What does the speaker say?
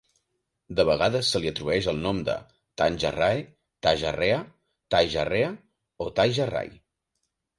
De vegades se li atribueix el nom de Tanja Rae, Taja Rea, Taija Rea o Taija Ray.